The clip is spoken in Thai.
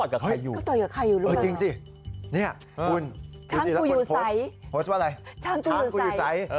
เขาต่อยกับใครอยู่จริงสินี่คุณดูสิแล้วคุณโฟสโฟสว่าไงช้างกูอยู่ใส